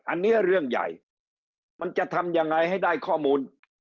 อันนี้เรื่องใหญ่มันจะทำยังไงให้ได้ข้อมูล